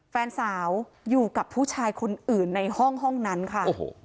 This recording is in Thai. แฟนสาวอยู่กับผู้ชายคนอื่นในห้องนั้นค่ะ